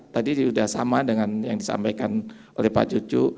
tadi sudah sama dengan yang disampaikan oleh pak cucu